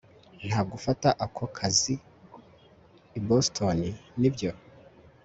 ntabwo ufata ako kazi i boston, nibyo